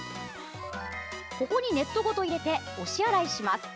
ここにネットごと入れて押し洗いします。